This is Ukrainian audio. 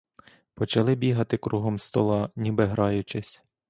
Почали бігати кругом стола, ніби граючись.